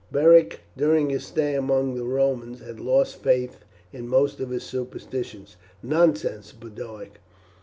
Beric during his stay among the Romans had lost faith in most of his superstitions. "Nonsense, Boduoc!